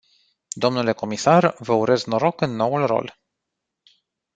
Dle comisar, vă urez noroc în noul rol.